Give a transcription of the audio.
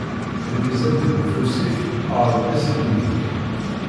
Lmizan deg ufus-ik, Ṛebbi sennig-k.